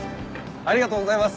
ありがとうございます！